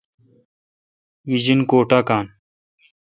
گیجن کو ٹا کان۔